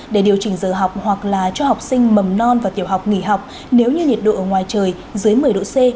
để điều chỉnh giờ học hoặc là cho học sinh mầm non và tiểu học nghỉ học nếu như nhiệt độ ở ngoài trời dưới một mươi độ c